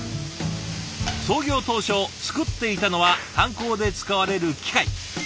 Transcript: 創業当初作っていたのは炭鉱で使われる機械。